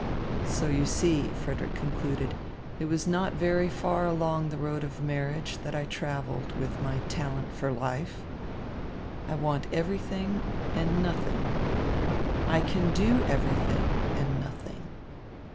"So you see," Frederick concluded, "it was not very far along the road of marriage that I travelled with my talent for life. I want everything and nothing. I can do everything and nothing.